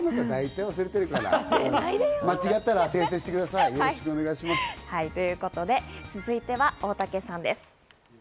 間違ったら訂正してください。ということで続いては大竹さんです。